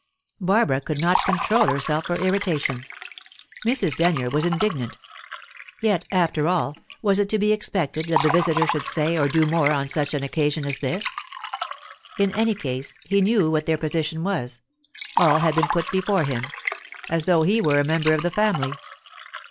Barbara could not control herself for irritation; Mrs. Denyer was indignant. Yet, after all, was it to be expected that the visitor should say or do more on such an occasion as this? In any case, he knew what their position was; all had been put before him, as though he were a member of the family.